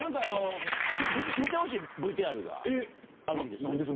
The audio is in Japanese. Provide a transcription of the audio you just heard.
今日見てほしいＶＴＲがあるんです。